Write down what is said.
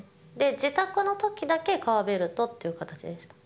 自宅のときだけ革ベルトっていう形でしたね。